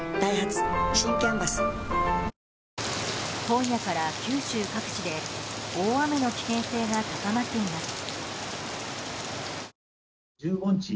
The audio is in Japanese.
今夜から九州各地で大雨の危険性が高まっています。